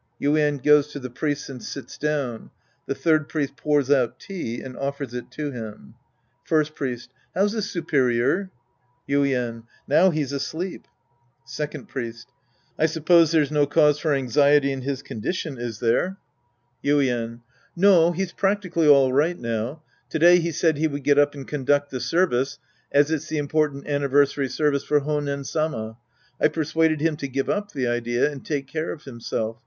(Yuien goes to the Priests and sits down. The Third Priest pours out tea and offers it to him.) First Priest. How's the superior ? Yuien. Now he's asleep. Second Biest. I suppose there's no cause for anxiety in his condition, is there ? 62 The Priest and His Disciples Act II Yuien. No, he's practically all right, now. To day he said he would get up and conduct the service, as it's the important anniversary service for Honen Sama. I persuaded him to give up the idea and take care of himself.